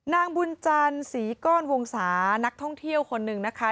นางบุญจันทร์ศรีก้อนวงศานักท่องเที่ยวคนหนึ่งนะคะ